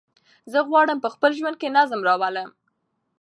زه غواړم په خپل ژوند کې نظم راولم.